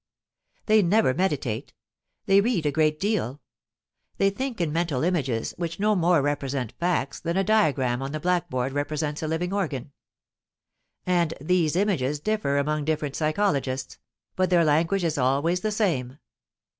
They never meditate; they read a great deal; they think in mental images which no more represent facts than a diagram on the blackboard represents a living organ; and these images differ among different psychologists, but their language is always the same.